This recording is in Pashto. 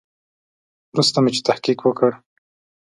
وروسته چې مې تحقیق وکړ.